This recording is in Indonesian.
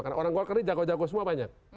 karena orang golkar ini jago jago semua banyak